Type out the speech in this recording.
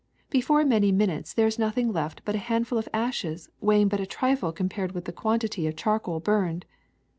Before many minutes there is nothing left but a handful of ashes weighing but a trifle compared with the quantity of charcoal burned.